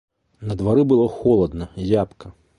На двары было холадна, зябка.